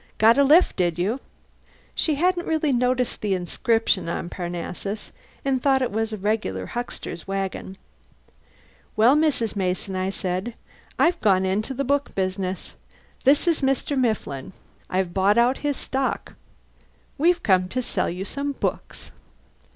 Got a lift, did you?" She hadn't really noticed the inscription on Parnassus, and thought it was a regular huckster's wagon. "Well, Mrs. Mason," I said, "I've gone into the book business. This is Mr. Mifflin. I've bought out his stock. We've come to sell you some books."